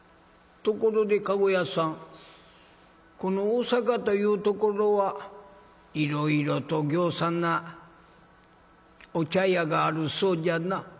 「ところで駕籠屋さんこの大坂というところはいろいろとぎょうさんなお茶屋があるそうじゃな」。